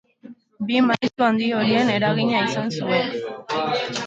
Bi maisu handi horien eragina izan zuen.